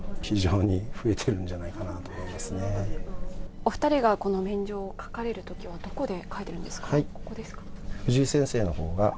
お二人がこの免状を書かれるときはどこで書いているんですか、ここですか？